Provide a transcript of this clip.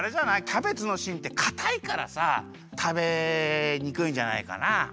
キャベツのしんってかたいからさたべにくいんじゃないかな？